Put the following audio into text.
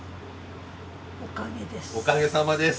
おかげさまです！